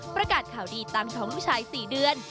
ประกาศข่าวดีตั้งท้องลูกชาย๔เดือน